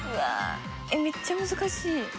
えっめっちゃ難しい。